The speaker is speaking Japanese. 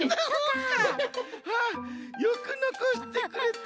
ああよくのこしてくれた。